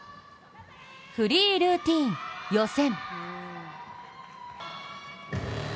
フリールーティン予選。